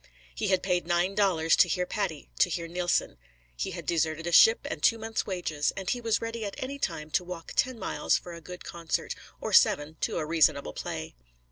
He had paid nine dollars to hear Patti; to hear Nilsson, he had deserted a ship and two months' wages; and he was ready at any time to walk ten miles for a good concert, or seven to a reasonable play.